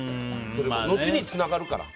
後につながるから。